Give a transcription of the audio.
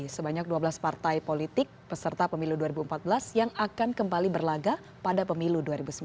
sebanyak dua belas partai politik peserta pemilu dua ribu empat belas yang akan kembali berlaga pada pemilu dua ribu sembilan belas